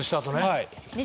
はい。